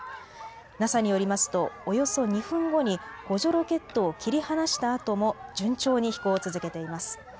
ＮＡＳＡによりますとおよそ２分後に補助ロケットを切り離したあとも順調に飛行を続けています。